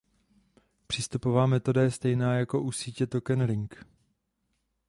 Přístupová metoda je stejná jako u sítě Token Ring.